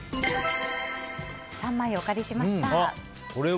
３枚お借りしました。